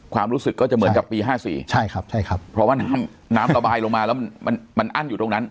ความรู้สึกก็จะเหมือนกับปี๕๔ครับเพราะว่าน้ำระบายลงมาแล้วมันอั้นอยู่ตรงนั้น